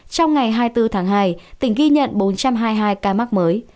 trong ngày hai mươi bốn tháng hai tỉnh ghi nhận bốn trăm hai mươi hai ca mắc mới